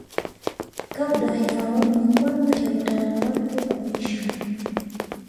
kabla ya awamu ya kwanza ya utawala wake kuisha